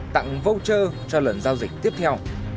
tặng voucher cho lợn giao dịch tiếp theo